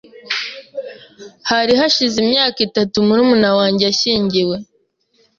Hari hashize imyaka itatu murumuna wanjye ashyingiwe.